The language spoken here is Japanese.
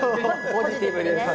ポジティブです。